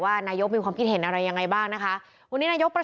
ว่านายกมีความผิดเห็นอะไรยังไงบ้างนะคะ